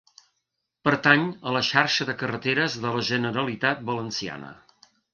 Pertany a la Xarxa de Carreteres de la Generalitat Valenciana.